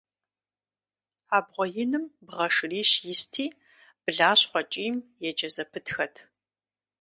Абгъуэ иным бгъэ шырищ исти, блащхъуэ кӀийм еджэ зэпытхэт.